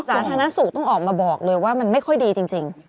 สาธารณสุขต้องออกมาบอกเลยว่ามันไม่ค่อยดีจริง